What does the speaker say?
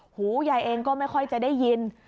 หูยายเองก็ไม่ค่อยจะได้ยิน